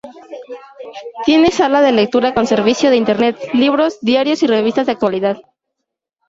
Tiene sala de lectura con servicio de Internet, libros, diarios y revistas de actualidad.